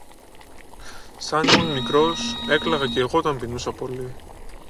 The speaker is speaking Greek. Σαν ήμουν μικρός, έκλαιγα κι εγώ όταν πεινούσα πολύ